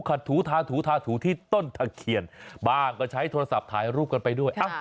ถูทาถูทาถูที่ต้นตะเคียนบ้างก็ใช้โทรศัพท์ถ่ายรูปกันไปด้วย